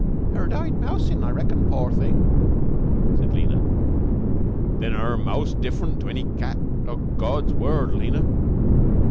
"Her died mousin', I reckon, poor thing," said Lena. "Then her moused different to any made cat o' God's world, Lena.